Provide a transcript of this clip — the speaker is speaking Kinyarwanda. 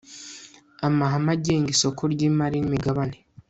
amahame agenga isoko ry imari n imigabane